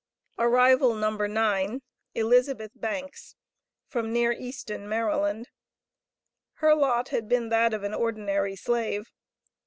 Arrival No. 9. Elizabeth Banks, from near Easton, Maryland. Her lot had been that of an ordinary slave.